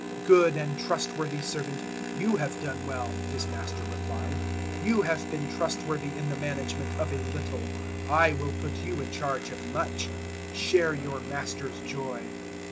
025:023 "`Good and trustworthy servant, you have done well,' his master replied; `you have been trustworthy in the management of a little, I will put you in charge of much: share your master's joy.'